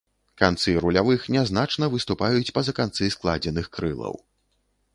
Канцы рулявых нязначна выступаюць па-за канцы складзеных крылаў.